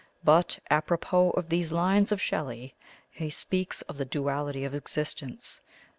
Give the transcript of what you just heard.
But apropos of these lines of Shelley. He speaks of the duality of existence.